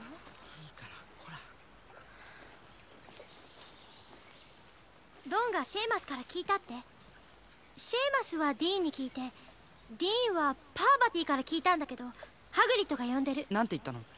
いいからほらロンがシェーマスから聞いたってシェーマスはディーンに聞いてディーンはパーバティから聞いたんだけどハグリッドが呼んでる何て言ったの？